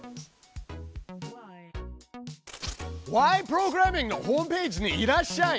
プログラミング」のホームページにいらっしゃい。